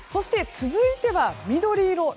続いては緑色。